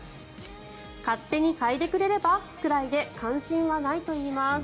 勝手に嗅いでくれればくらいで関心はないといいます。